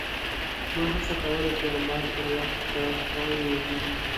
ما هڅه کوله چې اخبار پر وخت چاپ او ووېشم.